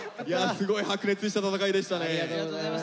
すごい白熱した戦いでしたね。